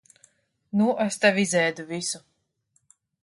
Nu es tev izēdu visu.